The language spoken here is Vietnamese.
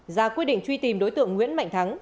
ra quyết định truy tìm đối tượng nguyễn mạnh thắng